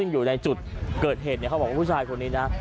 อยู่ในจุดเกิดเหตุเนี่ยเขาบอกว่าผู้ชายคนนี้นะ